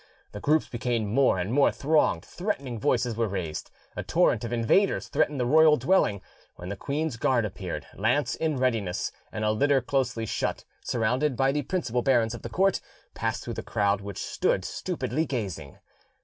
The groups became more and more thronged, threatening voices were raised, a torrent of invaders threatened the royal dwelling, when the queen's guard appeared, lance in readiness, and a litter closely shut, surrounded by the principal barons of the court, passed through the crowd, which stood stupidly gazing.